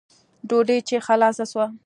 ډوډۍ چې خلاصه سوه.